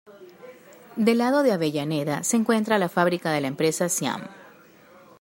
Del lado de Avellaneda, se encuentra la fábrica de la empresa Siam.